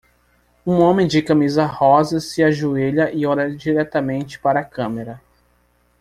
Um homem de camisa rosa se ajoelha e olha diretamente para a câmera.